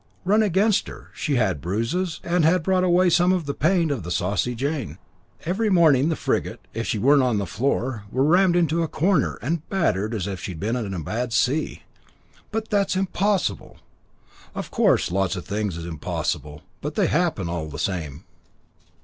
"Run against her. She had bruises, and had brought away some of the paint of the Saucy Jane. Every morning the frigate, if she were'nt on the floor, were rammed into a corner, and battered as if she'd been in a bad sea." "But it is impossible." "Of course, lots o' things is impossible, but they happen all the same."